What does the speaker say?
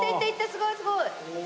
すごいすごい！